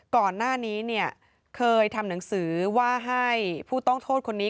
ก่อนหน้านี้เนี่ยเคยทำหนังสือว่าให้ผู้ต้องโทษคนนี้